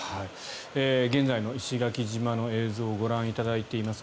現在の石垣島の映像をご覧いただいています。